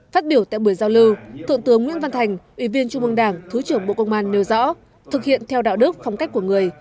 phát biểu tại buổi giao lưu thượng tướng nguyễn văn thành ủy viên trung mương đảng thứ trưởng bộ công an nêu rõ thực hiện theo đạo đức phong cách của người